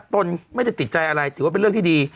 ตนไม่ได้ติดใจอะไรถือว่าเป็นเรื่องที่ดี